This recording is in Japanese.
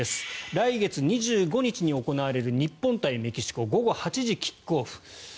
来月２５日に行われる日本対メキシコ午後８時キックオフ。